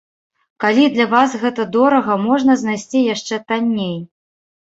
Калі для вас гэта дорага, можна знайсці яшчэ танней!